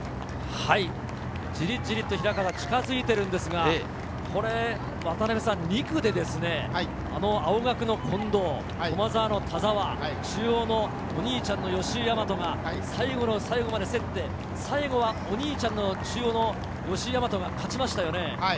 ジリジリと近づいているんですが、２区で青学の近藤、駒澤の田澤、中央のお兄ちゃんの吉居大和が最後の最後まで競って、最後はお兄ちゃんの中央・吉居大和が勝ちましたよね。